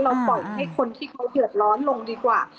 ปล่อยให้คนที่เขาเดือดร้อนลงดีกว่า